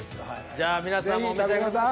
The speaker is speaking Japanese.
じゃあ皆さんもお召し上がりください。